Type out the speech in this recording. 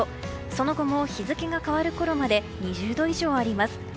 その後も日付が変わるころまで２０度以上あります。